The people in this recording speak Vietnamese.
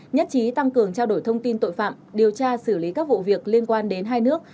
nhất trí tăng cường trao đổi thông tin tội phạm điều tra xử lý các vụ việc liên quan đến hai nước